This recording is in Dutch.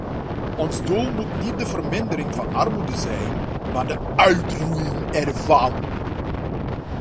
Ons doel moet niet de vermindering van armoede zijn, maar de uitroeiing ervan.